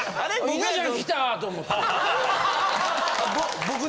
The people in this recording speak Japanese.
稲ちゃん来たと思って。